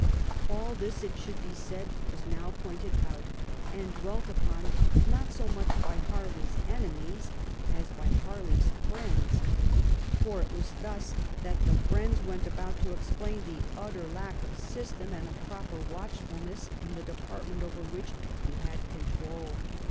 All this, it should be said, was now pointed out and dwelt upon, not so much by Harley's enemies as by Harley's friends, for it was thus that the friends went about to explain the utter lack of system and of proper watchfulness in the de partment over which he had control.